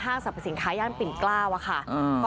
ห้างสรรพสินค้าย่านปิ่นกล้าวอ่ะค่ะอืม